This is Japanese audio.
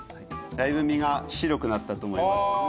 だいぶ身が白くなったと思います。